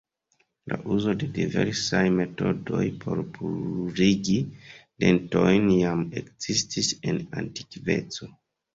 La uzo de diversaj metodoj por purigi dentojn jam ekzistis en antikveco.